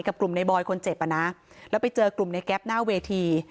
กลุ่มในบอยคนเจ็บอ่ะนะแล้วไปเจอกลุ่มในแก๊ปหน้าเวที